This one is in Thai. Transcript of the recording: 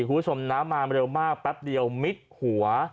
คุณผู้ชมน้ำมาเร็วมากแป๊บเดียวมิดหัว